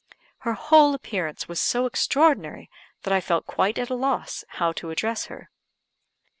Her whole appearance was so extraordinary that I felt quite at a loss how to address her.